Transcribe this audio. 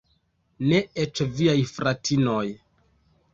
Ne eĉ viaj fratinoj.